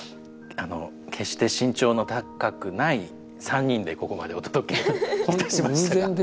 決して身長の高くない３人でここまでお届けいたしましたが。